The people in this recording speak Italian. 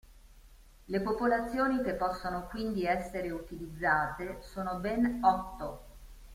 Le popolazioni che possono quindi essere utilizzate sono ben otto.